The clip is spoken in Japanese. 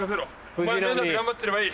お前は頑張ってればいい。